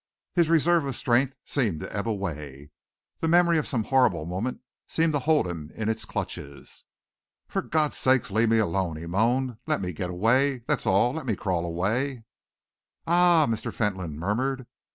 His reserve of strength seemed to ebb away. The memory of some horrible moment seemed to hold him in its clutches. "For God's sake, leave me alone!" he moaned. "Let me get away, that's all; let me crawl away!" "Ah!" Mr. Fentolin murmured.